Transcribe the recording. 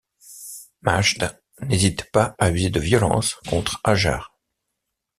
Majd n’hésite pas à user de violence contre Hajar.